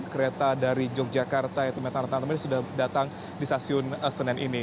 kereta dari yogyakarta itu sudah datang di stasiun senen ini